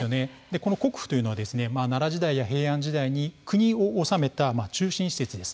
国府は奈良時代や平安時代に国を治めた中心施設です。